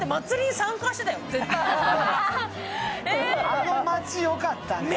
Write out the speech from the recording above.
あの街、よかったね。